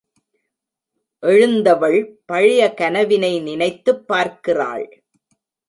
எழுந்தவள் பழைய கனவினை நினைத்துப் பார்க்கிறாள்.